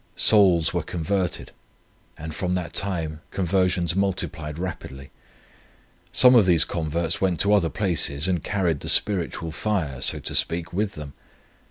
Souls were converted, and from that time conversions multiplied rapidly. Some of these converts went to other places, and carried the spiritual fire, so to speak, with them.